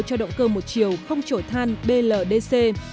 cho động cơ một chiều không trổi than bldc